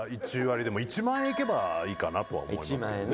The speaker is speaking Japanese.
でも、１万円いけばいいかなとは思いますけどね。